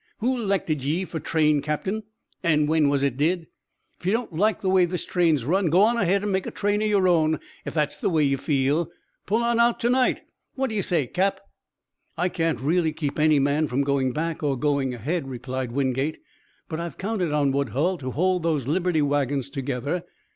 "Who 'lected ye fer train captain, an' when was it did? If ye don't like the way this train's run go on ahead an' make a train o' yer own, ef that's way ye feel. Pull on out to night. What ye say, Cap?" "I can't really keep any man from going back or going ahead," replied Wingate. "But I've counted on Woodhull to hold those Liberty wagons together.